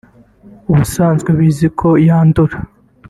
ubusanzwe bizwi ko yandura